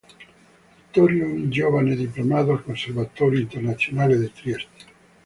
Vittorio è un giovane diplomato al Conservatorio Internazionale di Trieste.